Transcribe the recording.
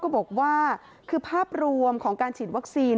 บอกว่าคือภาพรวมของการฉีดวัคซีน